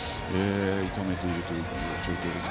痛めているという状況です。